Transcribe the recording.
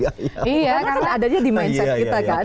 iya karena adanya di mindset kita kan